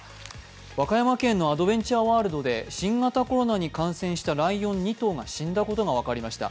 和歌山県のアドベンチャーワールドで新型コロナに感染したライオン２頭が死んだことが分かりました。